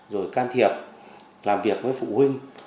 rồi can thiệp làm việc với phụ huynh